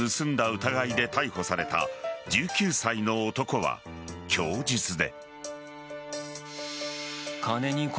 疑いで逮捕された１９歳の男は供述で。